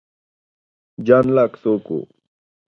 جان لاک څوک و؟